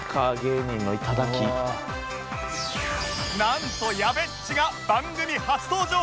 なんとやべっちが番組初登場！